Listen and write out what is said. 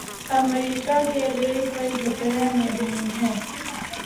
امریکا کے لیے کوئی خطرہ نہیں ہیں